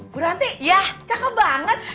bu ranti cakep banget